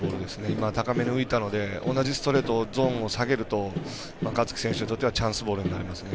今、高めに浮いたので同じストレートをゾーンを下げると香月選手にとってはチャンスボールになりますね。